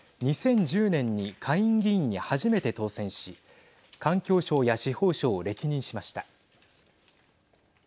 ２０１０年に下院議員に初めて当選し環境相や司法相を歴任しました。